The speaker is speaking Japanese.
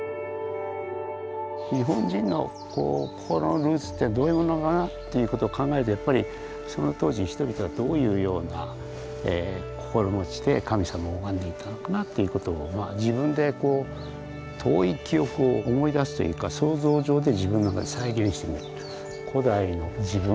日本人の心のルーツってどういうものかなということを考えるとやっぱりその当時人々がどういうような心持ちで神様を拝んでいたのかなということを自分でこう遠い記憶を思い出すというか想像上で自分の中で再現してみる。